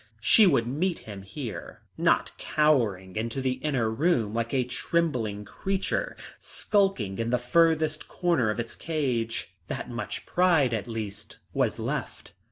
She would meet him here, not cowering into the inner room like a trembling creature skulking in the furthest corner of its cage. That much pride at least was left.